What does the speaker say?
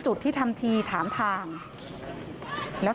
โชว์บ้านในพื้นที่เขารู้สึกยังไงกับเรื่องที่เกิดขึ้น